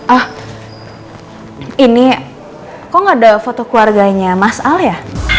ah ini kok gak ada foto keluarganya mas al ya